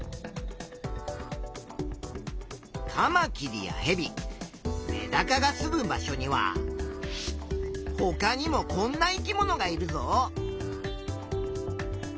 カマキリやヘビメダカがすむ場所にはほかにもこんな生き物がいるぞ。